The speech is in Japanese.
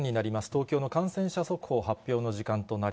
東京の感染者速報発表の時間とな